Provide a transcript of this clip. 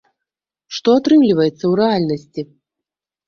Што атрымліваецца ў рэальнасці?